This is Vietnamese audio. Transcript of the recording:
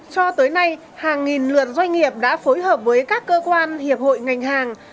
cho tới nay hàng nghìn lượt doanh nghiệp đã phối hợp với các cơ quan hiệp hội ngành hàng